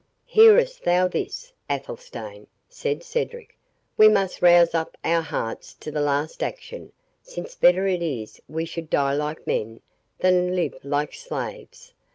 "Hearest thou this, Athelstane?" said Cedric; "we must rouse up our hearts to this last action, since better it is we should die like men, than live like slaves."